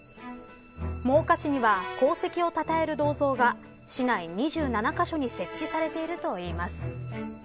真岡市には功績を称える銅像が市内２７カ所に設置されているといいます。